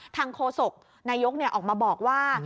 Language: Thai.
โฆษกนายกออกมาบอกว่า